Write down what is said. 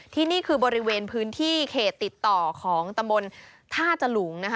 ที่นี่คือบริเวณพื้นที่เขตติดต่อของตำบลท่าจลุงนะคะ